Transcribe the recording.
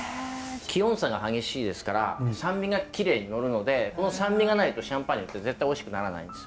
気温差が激しいですから酸味がきれいに乗るのでこの酸味がないとシャンパーニュって絶対おいしくならないんです。